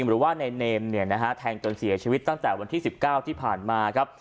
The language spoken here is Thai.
เหมือนว่านายเนมแทงตัวเสียชีวิตตั้งแต่วันที่๑๙ปีที่ผ่านมา